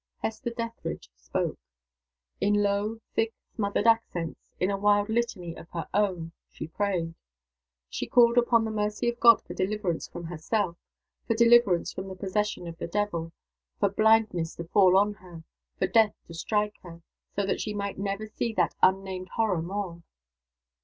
Hester Dethridge spoke. In low, thick, smothered accents in a wild litany of her own she prayed. She called upon the mercy of God for deliverance from herself; for deliverance from the possession of the Devil; for blindness to fall on her, for death to strike her, so that she might never see that unnamed Horror more!